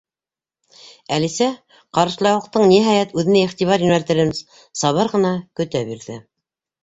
Әлисә Ҡарышлауыҡтың, ниһайәт, үҙенә иғтибар йүнәлтерен сабыр ғына көтә бирҙе.